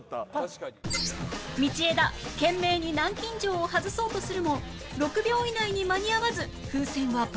道枝懸命に南京錠を外そうとするも６秒以内に間に合わず風船は爆破